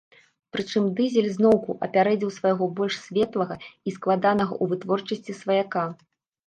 Прычым, дызель зноўку апярэдзіў свайго больш светлага і складанага ў вытворчасці сваяка.